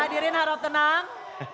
hadirin harap tenang